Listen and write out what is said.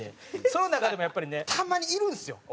その中でもやっぱりねたまにいるんですよ